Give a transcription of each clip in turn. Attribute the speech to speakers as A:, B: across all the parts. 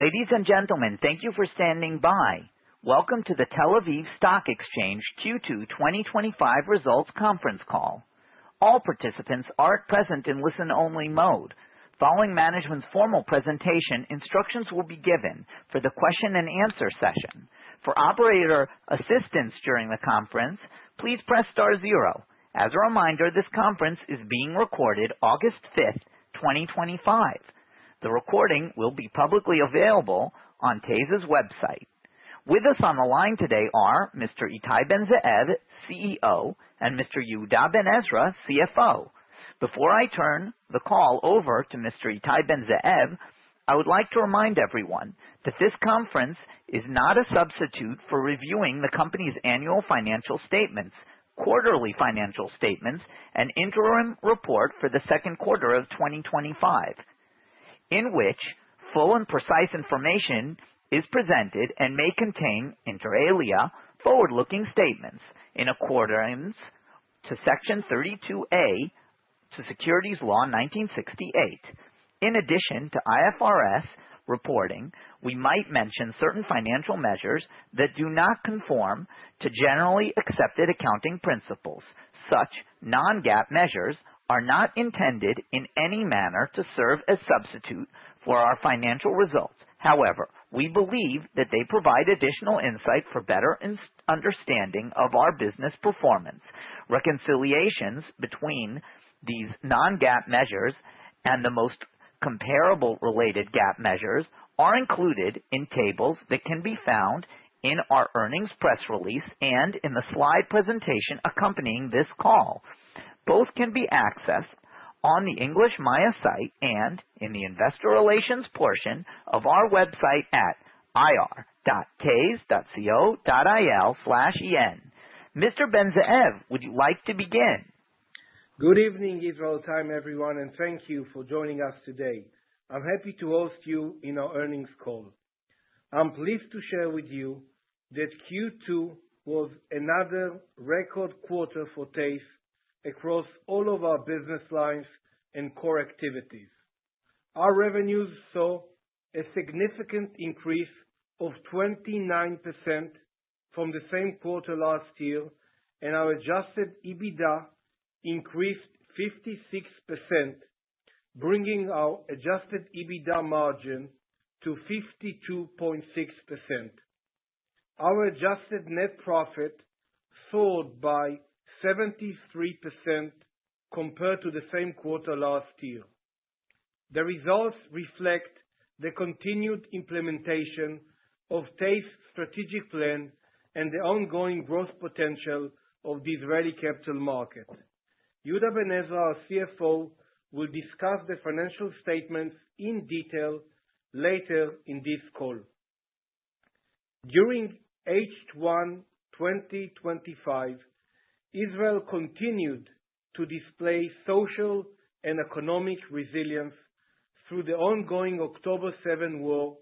A: Ladies and gentlemen, thank you for standing by. Welcome to the Tel Aviv Stock Exchange Q2 2025 Results Conference Call. All participants are present in listen-only mode. Following management's formal presentation, instructions will be given for the question and answer session. For operator assistance during the conference, please press star zero. As a reminder, this conference is being recorded August 5th, 2025. The recording will be publicly available on TASE's website. With us on the line today are Mr. Ittai Ben-Zeev, CEO, and Mr. Yehuda Ben Ezra, CFO. Before I turn the call over to Mr. Ittai Ben-Zeev, I would like to remind everyone that this conference is not a substitute for reviewing the company's annual financial statements, quarterly financial statements, and interim report for the second quarter of 2025, in which full and precise information is presented and may contain, inter alia, forward-looking statements in accordance with Section 32A to Securities Law 1968. In addition to IFRS reporting, we might mention certain financial measures that do not conform to generally accepted accounting principles. Such non-GAAP measures are not intended in any manner to serve as substitutes for our financial results. However, we believe that they provide additional insight for better understanding of our business performance. Reconciliations between these non-GAAP measures and the most comparable related GAAP measures are included in tables that can be found in our earnings press release and in the slide presentation accompanying this call. Both can be accessed on the English MAYA site and in the investor relations portion of our website at ir.tase.co.il/en. Mr. Ben-Zeev, would you like to begin?
B: Good evening, Israel Time everyone, and thank you for joining us today. I'm happy to host you in our earnings call. I'm pleased to share with you that Q2 was another record quarter for TASE across all of our business lines and core activities. Our revenues saw a significant increase of 29% from the same quarter last year, and our adjusted EBITDA increased 56%, bringing our adjusted EBITDA margin to 52.6%. Our adjusted net profit soared by 73% compared to the same quarter last year. The results reflect the continued implementation of TASE's strategic plan and the ongoing growth potential of the Israeli capital market. Yehuda Ben Ezra, our CFO, will discuss the financial statements in detail later in this call. During H1 2025, Israel continued to display social and economic resilience through the ongoing October 7 war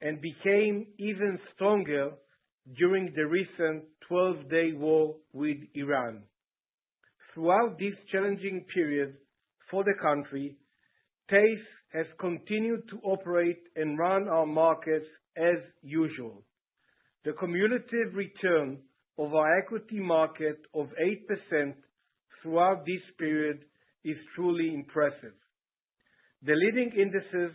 B: and became even stronger during the recent 12-day war with Iran. Throughout this challenging period for the country, TASE has continued to operate and run our markets as usual. The cumulative return of our equity market of 8% throughout this period is truly impressive. The leading indices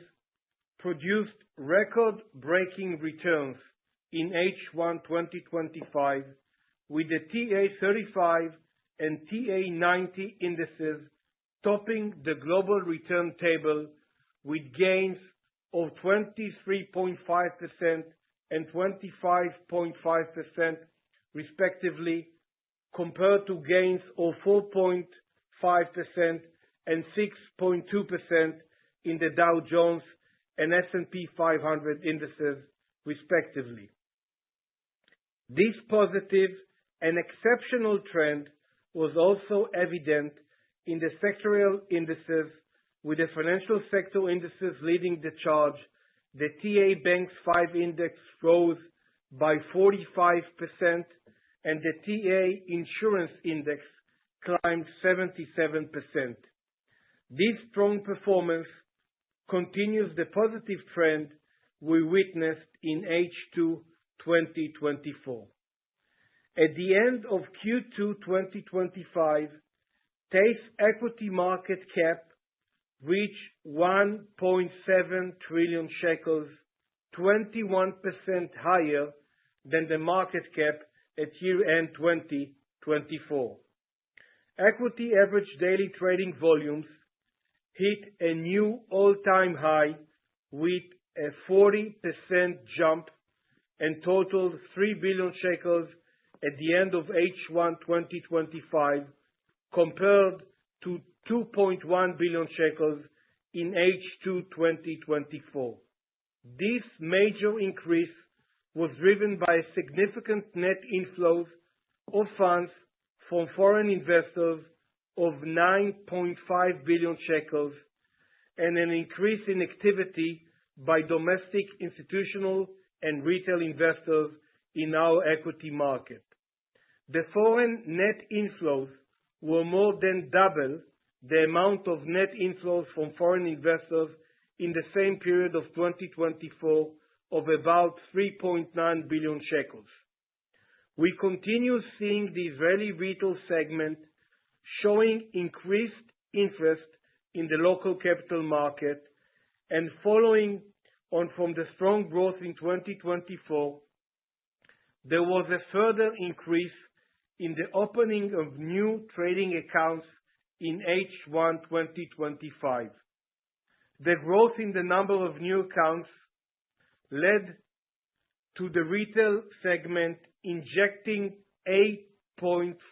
B: produced record-breaking returns in H1 2025, with the TA35 and TA90 indices topping the global return table with gains of 23.5% and 25.5% respectively, compared to gains of 4.5% and 6.2% in the Dow Jones and S&P 500 indices respectively. This positive and exceptional trend was also evident in the sectoral indices, with the financial sector indices leading the charge. The TA-BANKS-5 Index rose by 45%, and the TA-Insurance Index climbed 77%. This strong performance continues the positive trend we witnessed in H2 2024. At the end of Q2 2025, TASE's equity market cap reached NIS 1.7 trillion, 21% higher than the market cap at year-end 2024. Equity average daily trading volumes hit a new all-time high with a 40% jump and totaled NIS 3 billion at the end of H1 2025, compared to NIS 2.1 billion in H2 2024. This major increase was driven by significant net inflows of funds from foreign investors of NIS 9.5 billion, and an increase in activity by domestic institutional and retail investors in our equity market. The foreign net inflows were more than double the amount of net inflows from foreign investors in the same period of 2024, of about NIS 3.9 billion. We continue seeing the Israeli retail segment showing increased interest in the local capital market, and following on from the strong growth in 2024, there was a further increase in the opening of new trading accounts in H1 2025. The growth in the number of new accounts led to the retail segment injecting NIS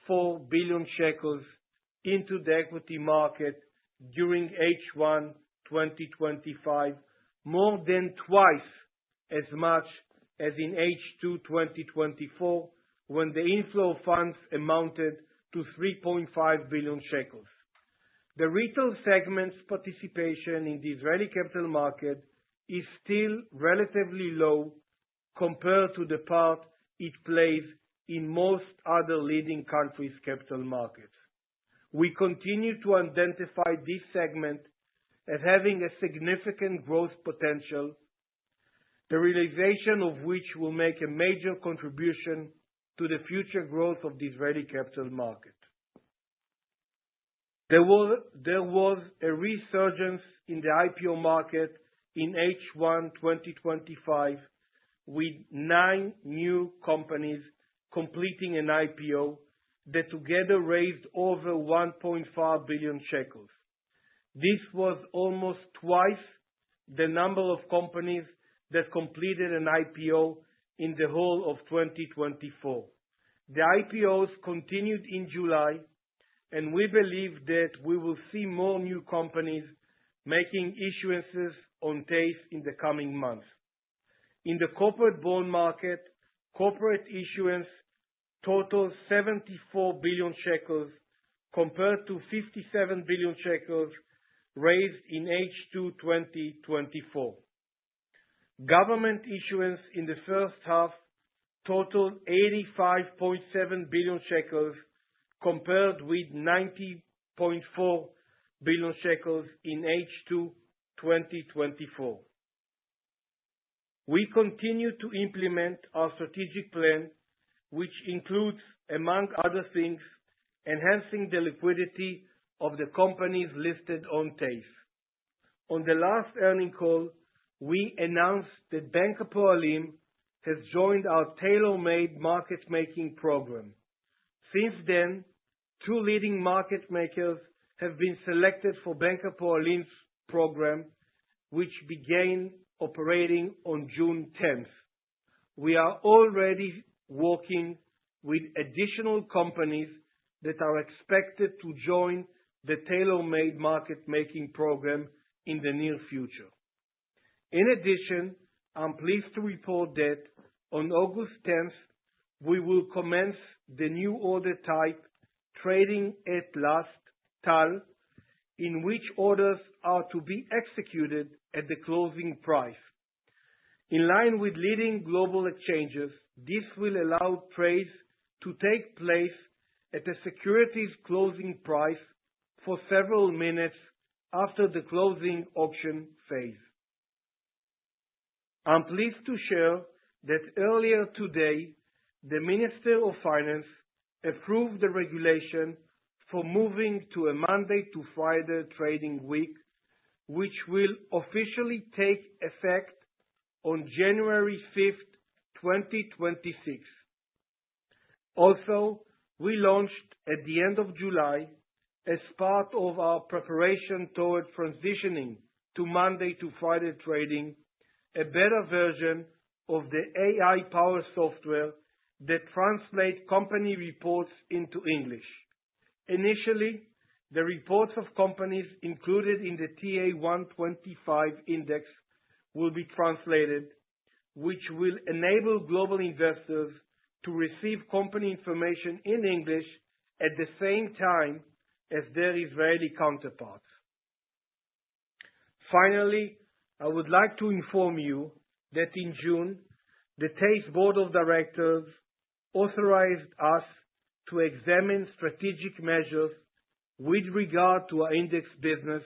B: 8.4 billion into the equity market during H1 2025, more than twice as much as in H2 2024, when the inflow of funds amounted to NIS 3.5 billion. The retail segment's participation in the Israeli capital market is still relatively low compared to the part it plays in most other leading countries' capital markets. We continue to identify this segment as having a significant growth potential, the realization of which will make a major contribution to the future growth of the Israeli capital market. There was a resurgence in the IPO market in H1 2025, with nine new companies completing an IPO that together raised over NIS 1.5 billion. This was almost twice the number of companies that completed an IPO in the whole of 2024. The IPOs continued in July, and we believe that we will see more new companies making issuances on the TASE in the coming months. In the corporate bond market, corporate issuance totals NIS 74 billion, compared to NIS 57 billion raised in H2 2024. Government issuance in the first half totals NIS 85.7 billion, compared with NIS 90.4 billion in H2 2024. We continue to implement our strategic plan, which includes, among other things, enhancing the liquidity of the companies listed on the TASE. On the last earnings call, we announced that Bank Hapoalim has joined our tailor-made market-making program. Since then, two leading market makers have been selected for Bank Hapoalim's program, which began operating on June 10th. We are already working with additional companies that are expected to join the tailor-made market-making program in the near future. In addition, I'm pleased to report that on August 10th, we will commence the new order type, trading at last, in which orders are to be executed at the closing price. In line with leading global exchanges, this will allow trades to take place at the securities closing price for several minutes after the closing auction phase. I'm pleased to share that earlier today, the Minister of Finance approved the regulation for moving to a mandate to Friday trading week, which will officially take effect on January 5th, 2026. Also, we launched at the end of July, as part of our preparation toward transitioning to Monday to Friday trading, a better version of the AI-powered English translation service that translates company reports into English. Initially, the reports of companies included in the TA-125 index will be translated, which will enable global investors to receive company information in English at the same time as their Israeli counterparts. Finally, I would like to inform you that in June, the TASE Board of Directors authorized us to examine strategic measures with regard to our index business,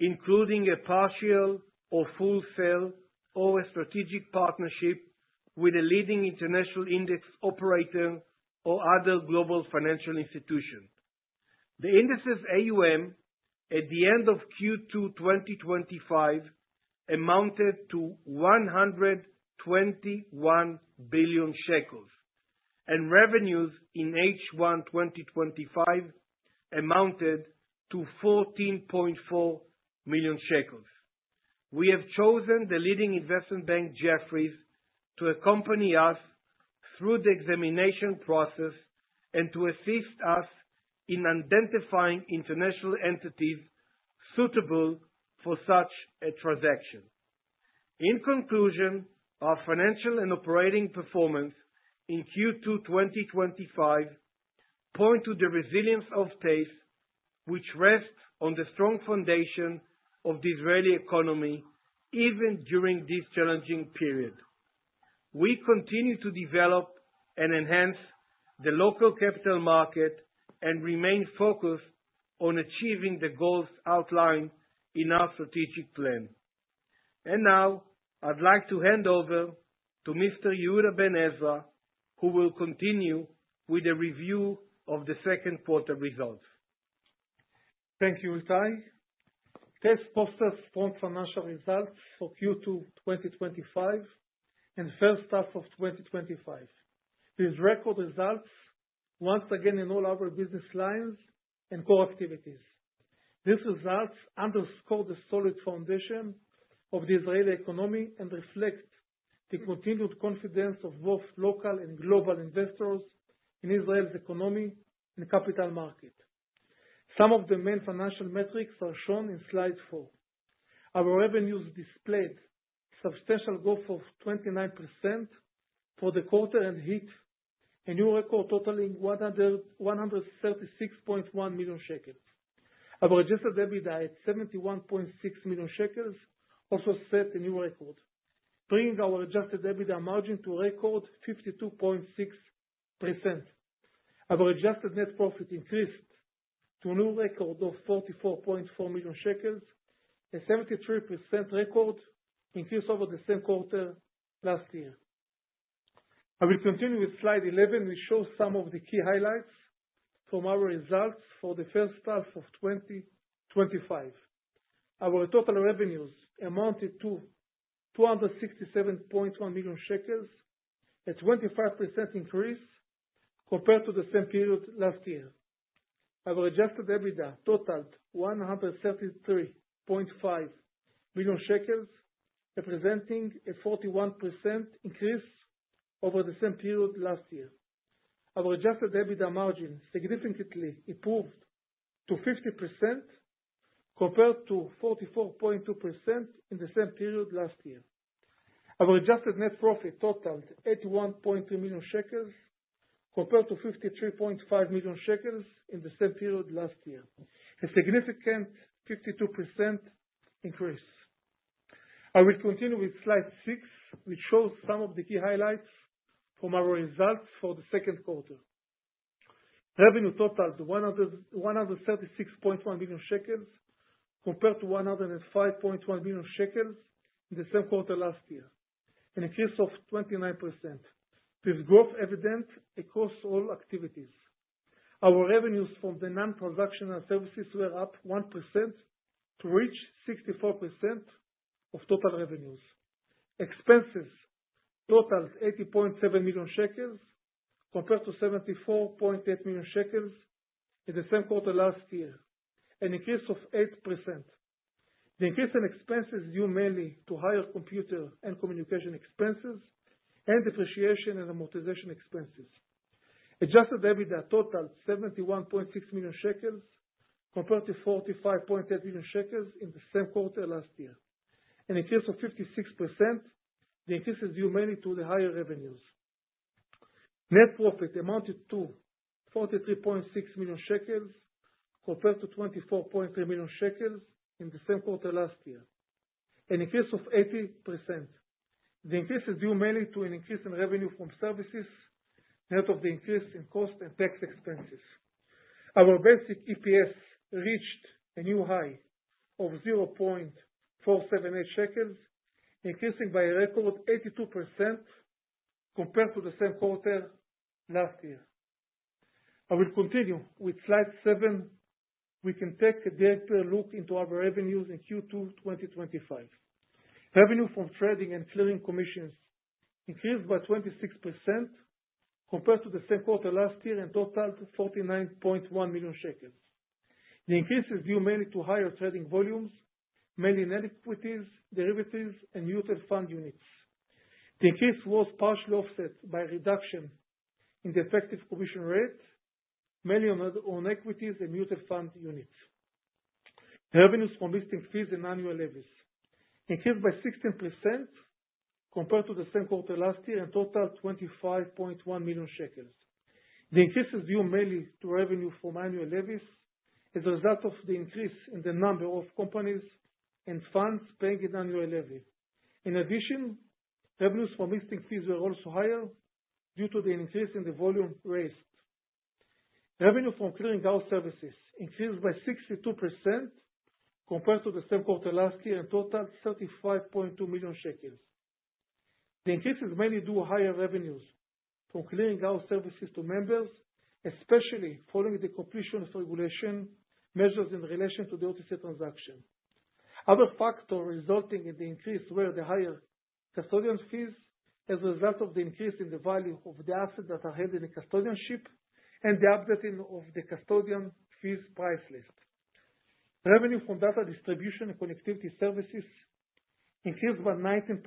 B: including a partial or full sale or a strategic partnership with a leading international index operator or other global financial institution. The index's AUM at the end of Q2 2025 amounted to NIS 121 billion, and revenues in H1 2025 amounted to NIS 14.4 million. We have chosen the leading investment bank, Jefferies, to accompany us through the examination process and to assist us in identifying international entities suitable for such a transaction. In conclusion, our financial and operating performance in Q2 2025 points to the resilience of the TASE, which rests on the strong foundation of the Israeli economy, even during this challenging period. We continue to develop and enhance the local capital market and remain focused on achieving the goals outlined in our strategic plan. Now, I'd like to hand over to Mr. Yehuda Ben Ezra, who will continue with a review of the second quarter results.
C: Thank you, Ittai. TASE sponsored our results for Q2 2025 and first half of 2025. These record results once again enroll our business lines and core activities. These results underscore the solid foundation of the Israeli economy and reflect the continued confidence of both local and global investors in Israel's economy and capital market. Some of the main financial metrics are shown in slide 4. Our revenues displayed a substantial growth of 29% for the quarter and hit a new record totaling NIS 136.1 million. Our adjusted EBITDA at NIS 71.6 million also set a new record, bringing our adjusted EBITDA margin to a record 52.6%. Our adjusted net profit increased to a new record of NIS 44.4 million, a 73% record increase over the same quarter last year. I will continue with slide 11, which shows some of the key highlights from our results for the first half of 2025. Our total revenues amounted to NIS 267.1 million, a 25% increase compared to the same period last year. Our adjusted EBITDA totaled NIS 133.5 million, representing a 41% increase over the same period last year. Our adjusted EBITDA margin significantly improved to 50% compared to 44.2% in the same period last year. Our adjusted net profit totaled NIS 81.3 million, compared to NIS 53.5 million in the same period last year, a significant 52% increase. I will continue with slide 6, which shows some of the key highlights from our results for the second quarter. Revenue totaled NIS 136.1 million, compared to NIS 105.1 million in the same quarter last year, an increase of 29%, with growth evident across all activities. Our revenues from the non-transactional services were up 1% to reach 64% of total revenues. Expenses totaled NIS 80.7 million, compared to NIS 74.8 million in the same quarter last year, an increase of 8%. The increase in expenses due mainly to higher computer and communication expenses and depreciation and amortization expenses. Adjusted EBITDA totaled NIS 71.6 million, compared to NIS 45.8 million in the same quarter last year, an increase of 56%. The increases due mainly to the higher revenues. Net profit amounted to NIS 43.6 million, compared to NIS 24.3 million in the same quarter last year, an increase of 80%. The increases due mainly to an increase in revenue from services, net of the increase in cost and tax expenses. Our basic EPS reached a new high of NIS 0.478, increasing by a record 82% compared to the same quarter last year. I will continue with slide 7. We can take a deeper look into our revenues in Q2 2025. Revenue from trading and clearing commissions increased by 26% compared to the same quarter last year and totaled NIS 49.1 million. The increases due mainly to higher trading volumes, mainly in equities, derivatives, and mutual fund units. The increase was partially offset by a reduction in the effective commission rate, mainly on equities and mutual fund units. Revenues from listing fees and annual levies increased by 16% compared to the same quarter last year and totaled NIS 25.1 million. The increases due mainly to revenue from annual levies as a result of the increase in the number of companies and funds paying an annual levy. In addition, revenues from listing fees were also higher due to the increase in the volume raised. Revenue from clearing services increased by 62% compared to the same quarter last year and totaled NIS 35.2 million. The increase is mainly due to higher revenues from clearing services to members, especially following the completion of regulation measures in relation to the OTC transaction. Other factors resulting in the increase were the higher custodian fees as a result of the increase in the value of the assets that are held in custodianship and the updating of the custodian fees price list. Revenue from data distribution and connectivity services increased by 19%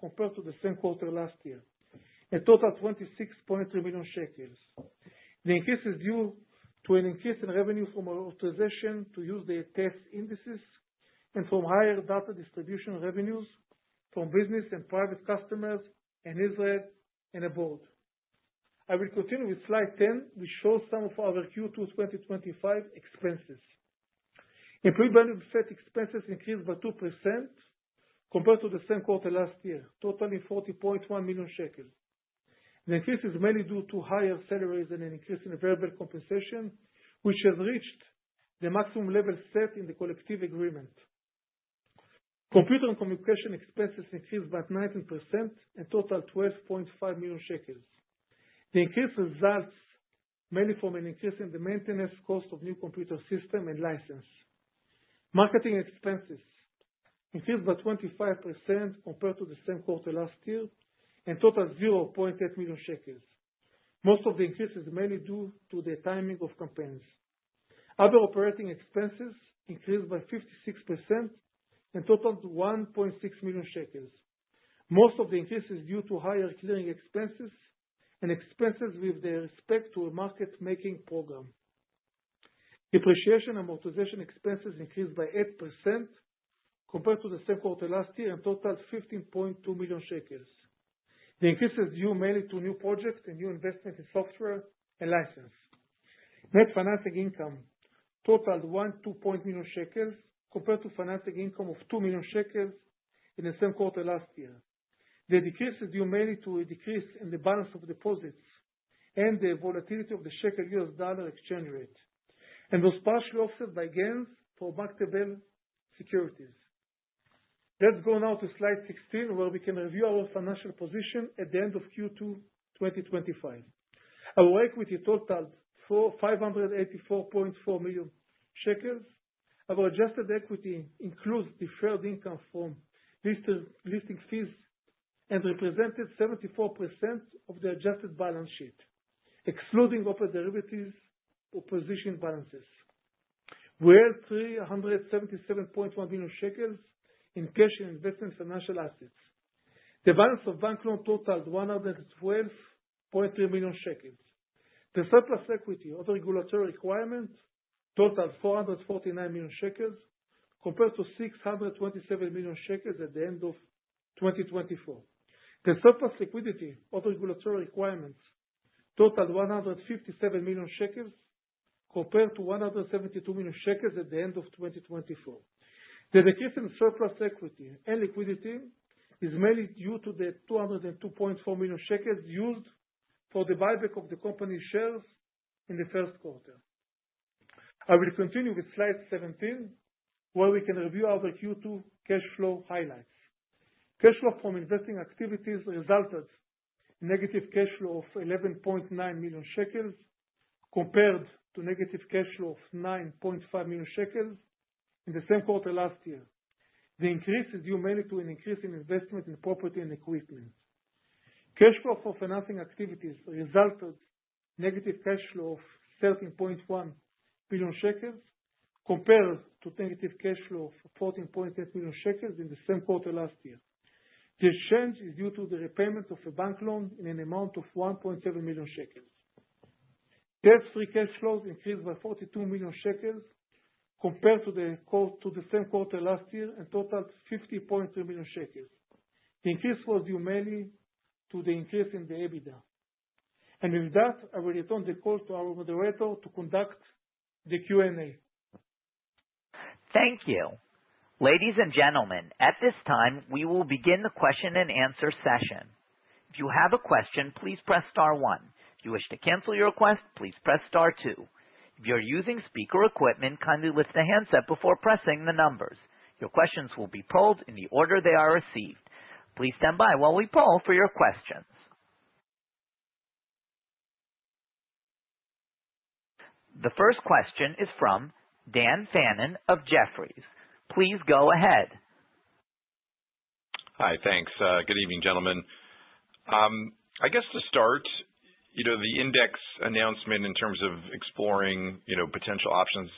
C: compared to the same quarter last year and totaled NIS 26.3 million. The increases are due to an increase in revenue from our authorization to use the TASE indices and from higher data distribution revenues from business and private customers in Israel and abroad. I will continue with slide 10, which shows some of our Q2 2025 expenses. Employee benefit expenses increased by 2% compared to the same quarter last year, totaling NIS 40.1 million. The increase is mainly due to higher salaries and an increase in variable compensation, which has reached the maximum level set in the collective agreement. Computer and communication expenses increased by 19% and totaled NIS 12.5 million. The increase results mainly from an increase in the maintenance cost of new computer systems and licenses. Marketing expenses increased by 25% compared to the same quarter last year and totaled NIS 0.8 million. Most of the increase is mainly due to the timing of campaigns. Other operating expenses increased by 56% and totaled NIS 1.6 million. Most of the increase is due to higher clearing expenses and expenses with respect to a market-making program. Depreciation and amortization expenses increased by 8% compared to the same quarter last year and totaled NIS 15.2 million. The increases are due mainly to new projects and new investments in software and licenses. Net financing income totaled NIS 1.2 million, compared to financing income of NIS 2 million in the same quarter last year. The decrease is due mainly to a decrease in the balance of deposits and the volatility of the shekel-US dollar exchange rate, and was partially offset by gains from marketable securities. Let's go now to slide 16, where we can review our financial position at the end of Q2 2025. Our equity totaled NIS 584.4 million. Our adjusted equity includes deferred income from listing fees and represented 74% of the adjusted balance sheet, excluding operating derivatives or position balances. We held NIS 377.1 million in cash and investment financial assets. The balance of bank loans totaled NIS 112.3 million. The surplus equity of regulatory requirements totaled NIS 449 million, compared to NIS 627 million at the end of 2024. The surplus liquidity of regulatory requirements totaled NIS 157 million, compared to NIS 172 million at the end of 2024. The decrease in surplus equity and liquidity is mainly due to the NIS 202.4 million used for the buyback of the company's shares in the first quarter. I will continue with slide 17, where we can review our Q2 cash flow highlights. Cash flow from investing activities resulted in a negative cash flow of NIS 11.9 million, compared to a negative cash flow of NIS 9.5 million in the same quarter last year. The increase is due mainly to an increase in investment in property and equipment. Cash flow from financing activities resulted in a negative cash flow of NIS 13.1 million, compared to a negative cash flow of NIS 14.8 million in the same quarter last year. This change is due to the repayment of a bank loan in an amount of NIS 1.7 million. Debt-free cash flows increased by NIS 42 million, compared to the same quarter last year and totaled NIS 50.3 million. The increase was due mainly to the increase in the EBITDA. I will return the call to our moderator to conduct the Q&A.
A: Thank you. Ladies and gentlemen, at this time, we will begin the question and answer session. If you have a question, please press star one. If you wish to cancel your question, please press star two. If you are using speaker equipment, kindly lift a handset before pressing the numbers. Your questions will be polled in the order they are received. Please stand by while we poll for your questions. The first question is from Dan Fannon of Jefferies. Please go ahead.
D: Hi, thanks. Good evening, gentlemen. To start, the index announcement in terms of exploring potential options,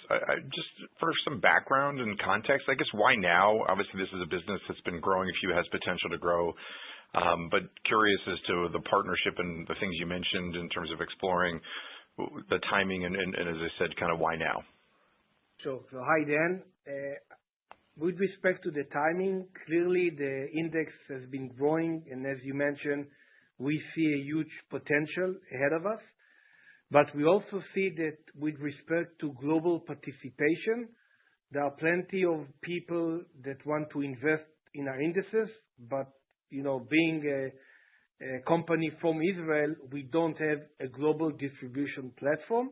D: just for some background and context, why now? Obviously, this is a business that's been growing, has potential to grow, but curious as to the partnership and the things you mentioned in terms of exploring the timing and, as I said, kind of why now.
B: Hi Dan. With respect to the timing, clearly the index has been growing, and as you mentioned, we see a huge potential ahead of us. We also see that with respect to global participation, there are plenty of people that want to invest in our indices, but you know, being a company from Israel, we don't have a global distribution platform.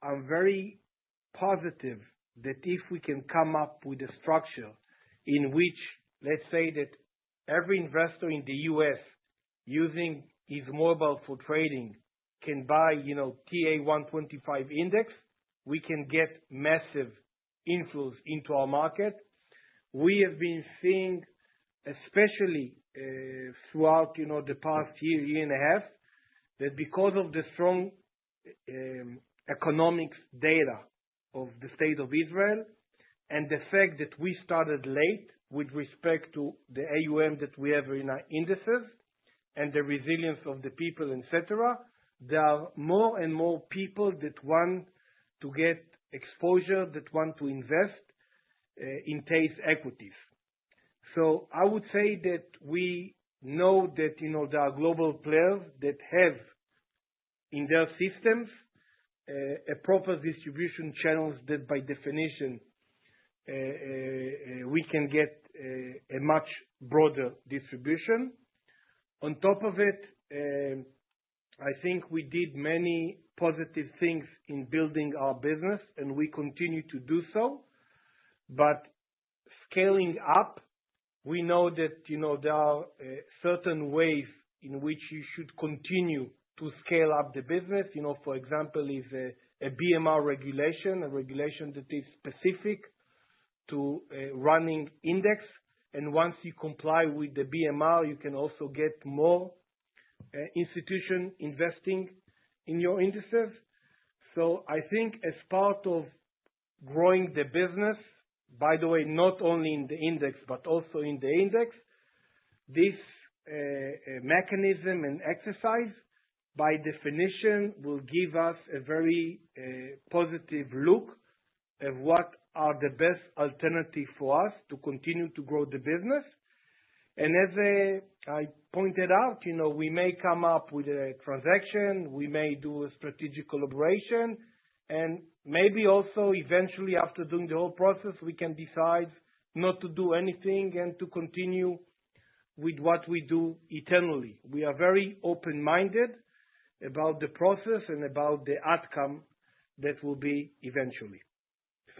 B: I'm very positive that if we can come up with a structure in which, let's say that every investor in the U.S. using his mobile for trading can buy, you know, TA-125 index, we can get massive inflows into our market. We have been seeing, especially throughout the past year, year and a half, that because of the strong economic data of the state of Israel and the fact that we started late with respect to the AUM that we have in our indices and the resilience of the people, etc., there are more and more people that want to get exposure, that want to invest in TASE equities. I would say that we know that there are global players that have in their systems a proper distribution channel that by definition we can get a much broader distribution. On top of it, I think we did many positive things in building our business, and we continue to do so. Scaling up, we know that there are certain ways in which you should continue to scale up the business. For example, is a BMR regulation, a regulation that is specific to a running index. Once you comply with the BMR, you can also get more institutions investing in your indices. I think as part of growing the business, by the way, not only in the index, but also in the index, this mechanism and exercise by definition will give us a very positive look at what are the best alternatives for us to continue to grow the business. As I pointed out, we may come up with a transaction, we may do a strategic collaboration, and maybe also eventually after doing the whole process, we can decide not to do anything and to continue with what we do internally. We are very open-minded about the process and about the outcome that will be eventually.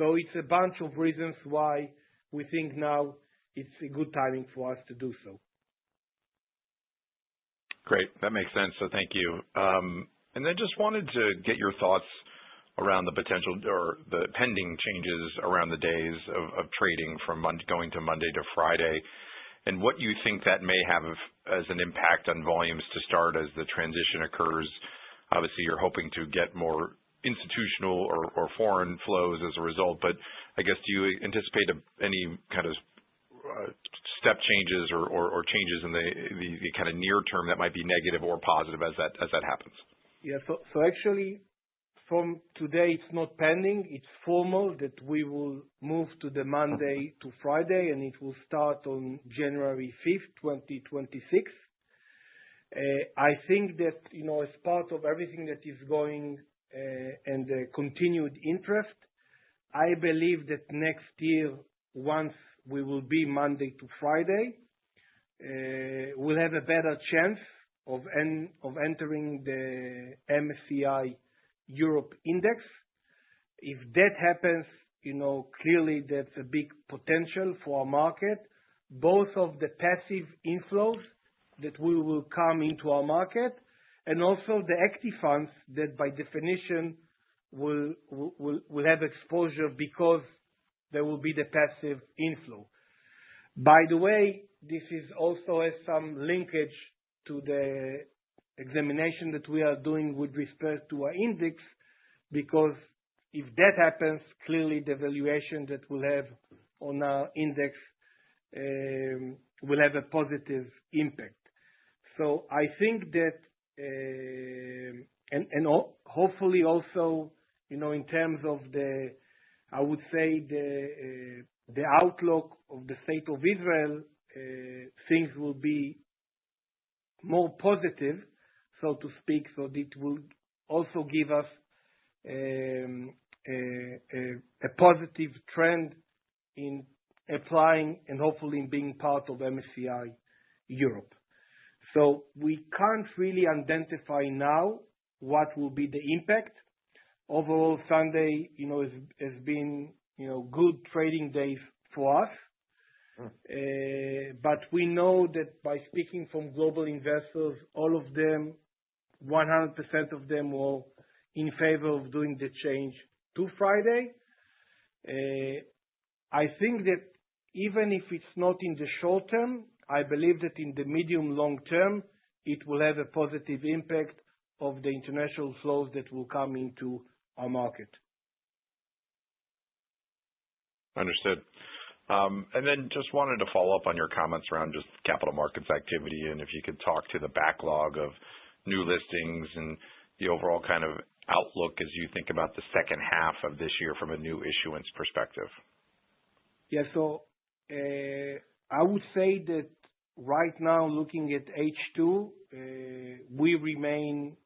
B: It's a bunch of reasons why we think now it's a good timing for us to do so.
D: Great. That makes sense. Thank you. I just wanted to get your thoughts around the potential or the pending changes around the days of trading from going to Monday to Friday and what you think that may have as an impact on volumes to start as the transition occurs. Obviously, you're hoping to get more institutional or foreign flows as a result, but I guess do you anticipate any kind of step changes or changes in the kind of near term that might be negative or positive as that happens?
B: Yeah, so actually from today, it's not pending. It's formal that we will move to the Monday to Friday, and it will start on January 5th, 2026. I think that, you know, as part of everything that is going and the continued interest, I believe that next year, once we will be Monday to Friday, we'll have a better chance of entering the MSCI Europe Index. If that happens, you know, clearly that's a big potential for our market, both of the passive inflows that will come into our market and also the active funds that by definition will have exposure because there will be the passive inflow. By the way, this is also some linkage to the examination that we are doing with respect to our index, because if that happens, clearly the valuation that we'll have on our index will have a positive impact. I think that, and hopefully also, you know, in terms of the, I would say, the outlook of the state of Israel, things will be more positive, so to speak. It will also give us a positive trend in applying and hopefully being part of MSCI Europe. We can't really identify now what will be the impact. Overall, Sunday, you know, has been, you know, good trading days for us. We know that by speaking from global investors, all of them, 100% of them were in favor of doing the change to Friday. I think that even if it's not in the short term, I believe that in the medium-long term, it will have a positive impact on the international flows that will come into our market.
D: Understood. I just wanted to follow up on your comments around capital markets activity and if you could talk to the backlog of new listings and the overall kind of outlook as you think about the second half of this year from a new issuance perspective.
B: Yeah, I would say that right now, looking at H2, we remain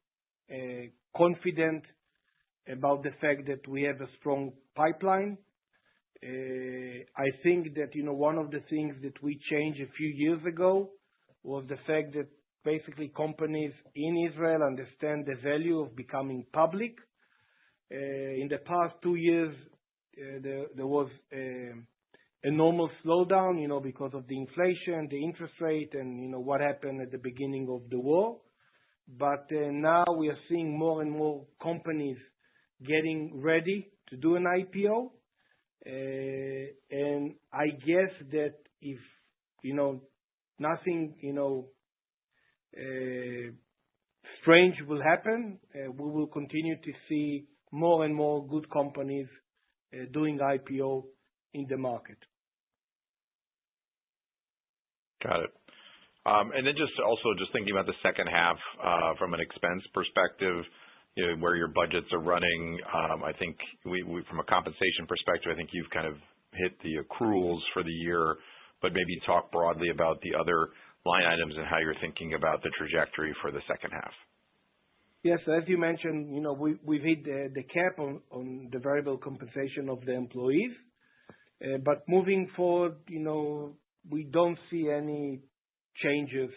B: confident about the fact that we have a strong pipeline. I think that one of the things that we changed a few years ago was the fact that basically companies in Israel understand the value of becoming public. In the past two years, there was a normal slowdown because of the inflation, the interest rate, and what happened at the beginning of the war. Now we are seeing more and more companies getting ready to do an IPO. I guess that if nothing strange will happen, we will continue to see more and more good companies doing IPO in the market.
D: Got it. Also, just thinking about the second half from an expense perspective, you know, where your budgets are running, I think from a compensation perspective, I think you've kind of hit the accruals for the year, but maybe talk broadly about the other line items and how you're thinking about the trajectory for the second half.
B: Yes, as you mentioned, we've hit the cap on the variable compensation of the employees. Moving forward, we don't see any changes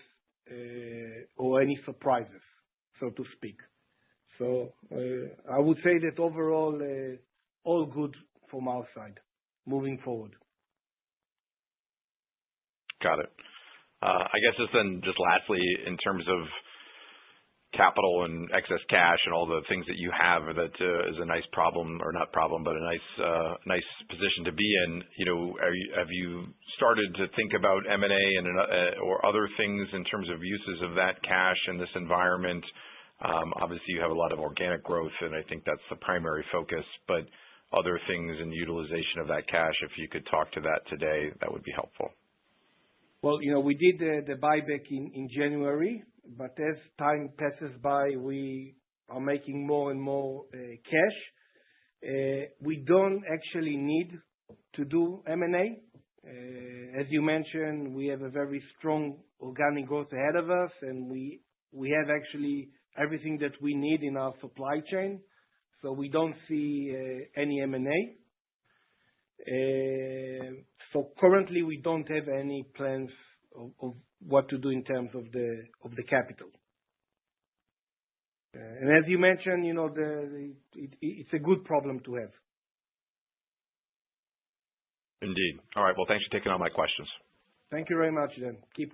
B: or any surprises, so to speak. I would say that overall, all good from our side moving forward.
D: Got it. I guess just lastly, in terms of capital and excess cash and all the things that you have, that is a nice problem, or not problem, but a nice position to be in. Have you started to think about M&A or other things in terms of uses of that cash in this environment? Obviously, you have a lot of organic growth, and I think that's the primary focus, but other things in the utilization of that cash, if you could talk to that today, that would be helpful.
B: We did the buyback in January, but as time passes by, we are making more and more cash. We don't actually need to do M&A. As you mentioned, we have a very strong organic growth ahead of us, and we have actually everything that we need in our supply chain. We don't see any M&A. Currently, we don't have any plans of what to do in terms of the capital. As you mentioned, it's a good problem to have.
D: Indeed. All right. Thanks for taking all my questions.
B: Thank you very much, Dan. Take care.